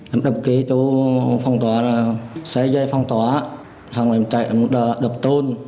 em đập kế chỗ phong tỏa xe dây phong tỏa xong em chạy một đợt đập tôn